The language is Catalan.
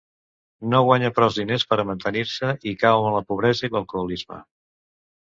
No guanya prou diners per a mantenir-se i cau en la pobresa i l'alcoholisme.